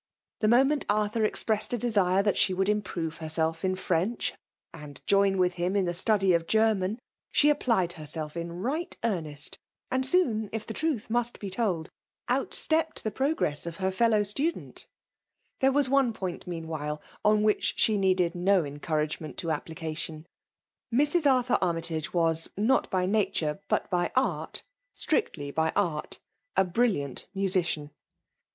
The moment Arthur expressed a desire that she would improve herself in French, and join with him in the study of German, she applied herself in right earnest ; and soon, if the truth must be told, outstepped the progress of her fellow student* There was one point meanwhile, on which she needed no encouragement to application » Mrs. Arthur AnDjtage was, not by nature, but by art — itridly by art — a brilliant musician.